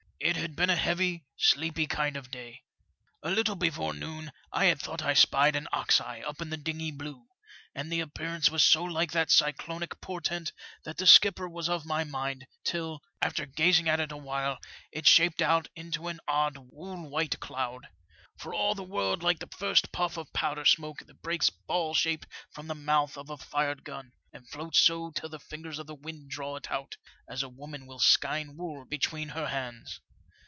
It had been a heavy, sleepy kind of day. A little before noon I had thought I spied an ox eye up in the dingy blue, and the appearance was so like that cyclonic portent that the skipper was of my mind till, after gazing at it awhile, it shaped out into an odd wool white cloud, for all the world like the first puff of powder smoke that breaks ball shaped from the mouth of a fired gun, and floats so till the fingers of the wind draw it out, as a woman will skein wool between her hands.